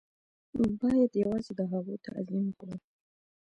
بايد يوازې د هغو تعظيم وکړو.